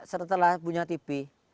setelah punya tv